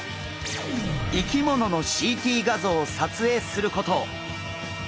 生き物のＣＴ画像を撮影すること。